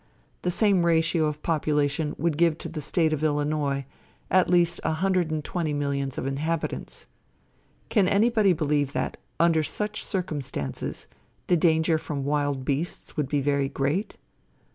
The same ratio of population would give to the State of Illinois at least one hundred and twenty millions of inhabitants. Can anybody believe that, under such circumstances, the danger from wild beasts could be very great?